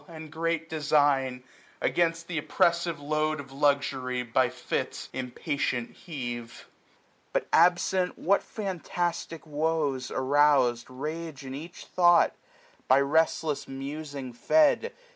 And great design, against th* oppressive load Of luxury, by fits, impatient heave. 1000 But absent, what fantastic woes, arrous*d, Rage, in each thought, by restless musing fed.